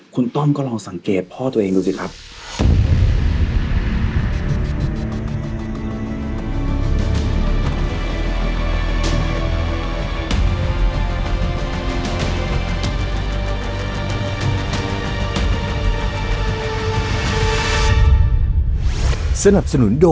คุณต้อมก็ลองสังเกตพ่อตัวเองดูสิครับ